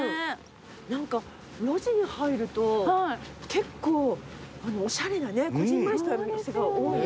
何か路地に入ると結構おしゃれなねこぢんまりしたお店が多い。